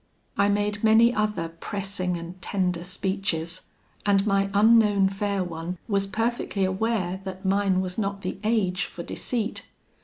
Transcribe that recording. "I made many other pressing and tender speeches; and my unknown fair one was perfectly aware that mine was not the age for deceit.